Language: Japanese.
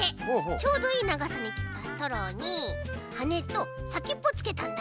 ちょうどいいながさにきったストローにはねとさきっぽつけたんだ。